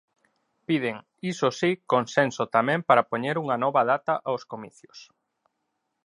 Piden, iso si, consenso tamén para poñer unha nova data aos comicios.